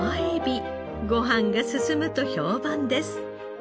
ご飯が進むと評判です。